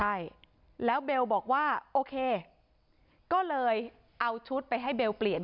ใช่แล้วเบลบอกว่าโอเคก็เลยเอาชุดไปให้เบลเปลี่ยน